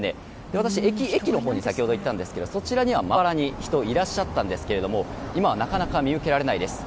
私、駅のほうに先ほどいたんですがそちらには、まばらに人はいらっしゃったんですけど今はなかなか見受けられないです。